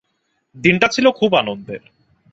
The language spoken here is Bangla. দিনটা ছিল খুব আনন্দের।